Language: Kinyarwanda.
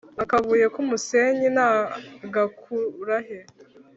’akabuye k’umusenyi nagakurahe